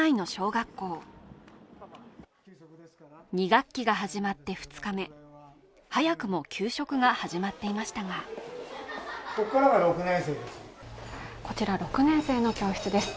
２学期が始まって２日目、早くも給食が始まっていましたがここからが６年生です。